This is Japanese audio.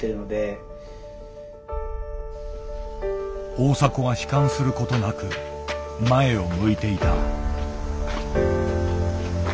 大迫は悲観することなく前を向いていた。